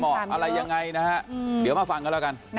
อ๋อไม่เหมาะอะไรยังไงนะฮะเดี๋ยวมาฟังกันแล้วกัน